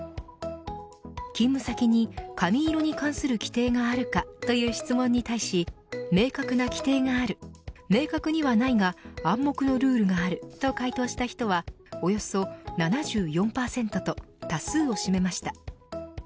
勤務先に髪色に関する規定があるかという質問に対し明確な規定がある明確にはないが暗黙のルールがあると回答した人はおよそ７４％と多数を占めました。